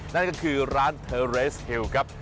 นั่นก็คือร้านเทอร์เรสเฮลครับ